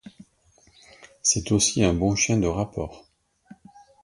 C'est aussi un bon chien de rapport.